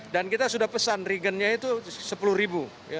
dan kita sudah pesan regennya itu sepuluh ribu